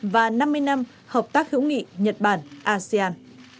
và năm mươi năm hợp tác hữu nghị nhật bản asean